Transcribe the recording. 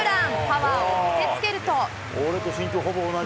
パワーを見せつけると。